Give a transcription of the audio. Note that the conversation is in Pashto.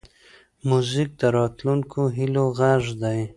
موزیک د راتلونکو هیلو غږ دی.